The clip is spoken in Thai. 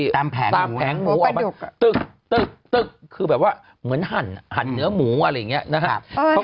ตามแผงหมูตึกคือแบบว่าเหมือนหั่นหั่นเนื้อหมูอะไรอย่างเงี้ยนะครับ